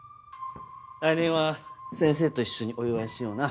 来年は先生と一緒にお祝いしような。